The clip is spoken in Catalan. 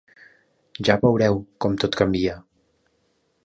Ja veure-ho com tot canvia.